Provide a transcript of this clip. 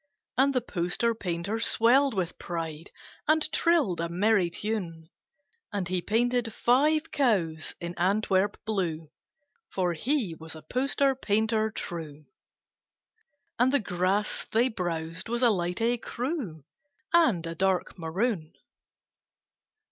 And the poster painter swelled with pride And trilled a merry tune. And he painted five cows in Antwerp blue (For he was a poster painter true), And the grass they browsed was a light écru And a dark maroon.